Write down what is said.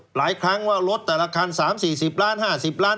หลายครั้งว่ารถแต่ละคัน๓๔๐ล้าน๕๐ล้าน